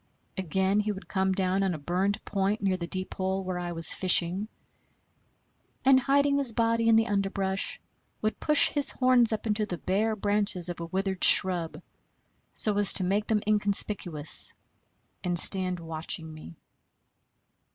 Again he would come down on a burned point near the deep hole where I was fishing, and, hiding his body in the underbrush, would push his horns up into the bare branches of a withered shrub, so as to make them inconspicuous, and stand watching me.